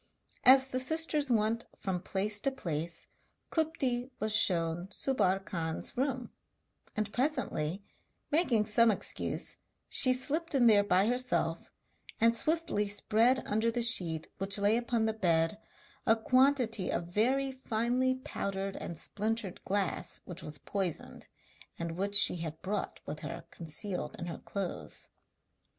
As the sisters went from place to place, Kupti was shown Subbar Khan's room; and presently, making some excuse, she slipped in there by herself and swiftly spread under the sheet which lay upon the bed a quantity of very finely powdered and splintered glass which was poisoned, and which she had brought with her concealed in her clothes.